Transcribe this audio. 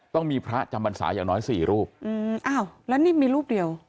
ต้องมีพระจำบรรษาอย่างน้อยสี่รูปอืมอ้าวแล้วนี่มีรูปเดียว